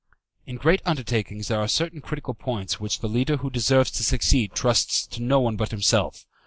In great undertakings there are certain critical points which the leader who deserves to succeed trusts to no one but himself.